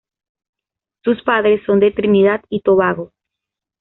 Sus padres son de Trinidad y Tobago.